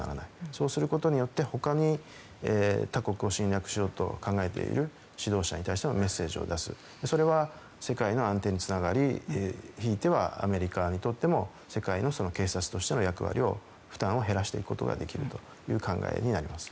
そうすることによって他に他国を侵略しようと考えている指導者に対してのメッセージを出すそれは、世界の安定につながり引いてはアメリカにとっても世界の警察としての役割の負担を減らすことができるという考えになります。